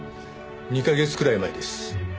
２カ月くらい前です。